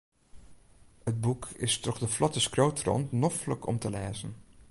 It boek is troch de flotte skriuwtrant noflik om te lêzen.